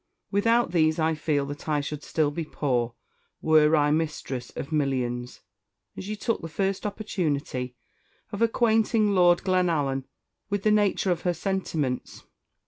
Without these I feel that I should still be poor, were I mistress of millions;" and she took the first opportunity of acquainting Lord Glenallan with the nature of her sentiments.